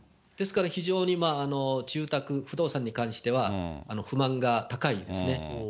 ですから、非常に住宅、不動産に関しては不満が高いんですね。